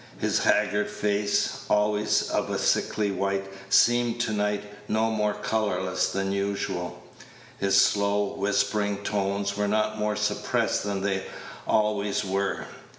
His haggard face, always of a sickly white, seemed to night no more colorless than usual. His slow, whispering tones were not more suppressed than they always were.